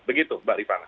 begitu mbak rifana